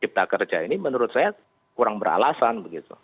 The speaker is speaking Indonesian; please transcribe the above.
cipta kerja ini menurut saya kurang beralasan begitu